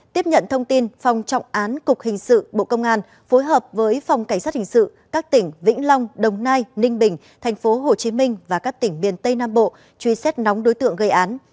tiếp nhận thông tin phòng trọng án cục hình sự bộ công an phối hợp với phòng cảnh sát hình sự các tỉnh vĩnh long đồng nai ninh bình tp hcm và các tỉnh miền tây nam bộ truy xét nóng đối tượng gây án